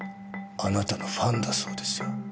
あなたのファンだそうですよ。